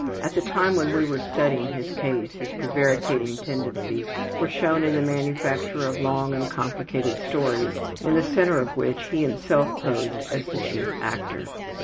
At the time when we were studying his case his prevaricating tendencies were shown in the manufacture of long and complicated stories, in the center of which he himself posed as the chief actor.